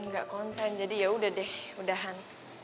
ga konsen jadi ya udah deh udahan